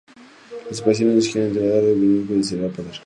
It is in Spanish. Las operaciones no siguieron y Teodoro se dedicó a consolidar su poder.